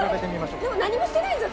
でも何もしてないんですよ